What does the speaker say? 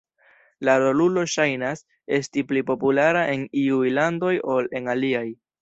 La rolulo ŝajnas esti pli populara en iuj landoj ol en aliaj.